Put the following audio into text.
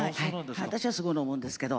私はすごい飲むんですけど。